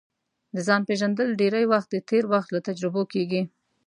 د ځان پېژندل ډېری وخت د تېر وخت له تجربو کیږي